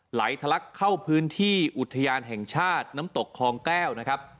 ไหลทะลักเข้าพื้นที่อุทยานแห่งชาติน้ำตกคลองแก้วนะครับ